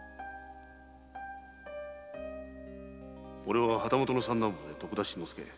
〔俺は旗本の三男坊で徳田新之助。